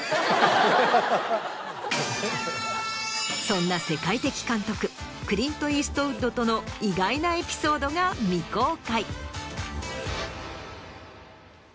そんな世界的監督クリント・イーストウッドとの意外なエピソードが未公開。